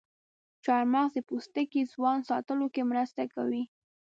چارمغز د پوستکي ځوان ساتلو کې مرسته کوي.